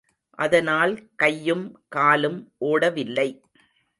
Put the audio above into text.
அதனால் கையும் காலும் ஓடவில்லை.